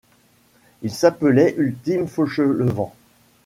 Il s’appelait Ultime Fauchelevent.